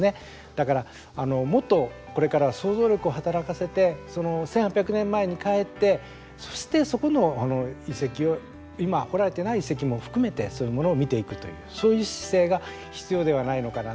だから、もっとこれから想像力を働かせて、１８００年前に帰ってそして、そこの遺跡を今、掘られていない遺跡も含めてそういうものを見ていくというそういう姿勢が必要ではないのかな。